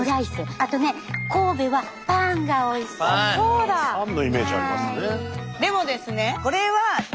パンのイメージありますね。